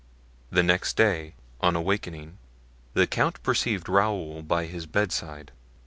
The next day, on awaking, the count perceived Raoul by his bedside.